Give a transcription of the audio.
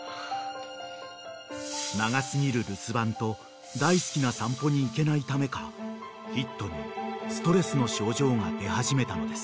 ［長過ぎる留守番と大好きな散歩に行けないためかヒットにストレスの症状が出始めたのです］